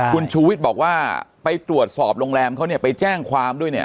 คุณชูวิทย์บอกว่าไปตรวจสอบโรงแรมเขาไปแจ้งความด้วย